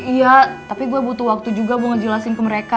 iya tapi gue butuh waktu juga mau ngejelasin ke mereka